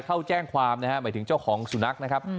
เข้าแจ้งความนะฮะหมายถึงเจ้าของสุนัขนะครับ